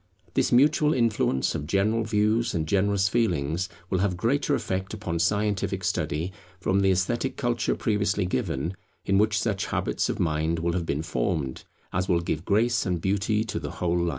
This mutual influence of general views and generous feelings will have greater effect upon scientific study, from the esthetic culture previously given, in which such habits of mind will have been formed, as will give grace and beauty to the whole life.